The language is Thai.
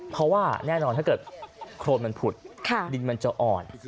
เพราะว่าแน่นอนถ้าเกิดโครนมันผุดดินมันจะอ่อน